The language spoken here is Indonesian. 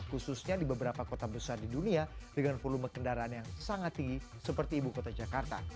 khususnya di beberapa kota besar di dunia dengan volume kendaraan yang sangat tinggi seperti ibu kota jakarta